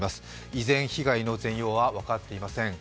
依然、被害の全容は分かっていません。